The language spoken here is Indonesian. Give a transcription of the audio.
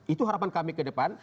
itu harapan kami ke depan